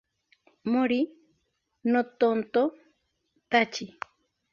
Mori no Tonto Tachi